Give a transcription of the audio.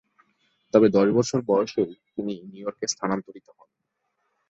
তবে দশ বছর বয়সেই তিনি নিউ ইয়র্কে স্থানান্তরিত হন।